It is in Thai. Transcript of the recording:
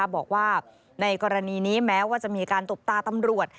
บอกว่าในกรณีนี้แม้ว่าจะมีการตบตาตำรวจ